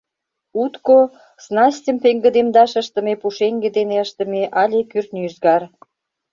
Утко — снастьым пеҥгыдемдаш ыштыме пушеҥге дене ыштыме але кӱртньӧ ӱзгар.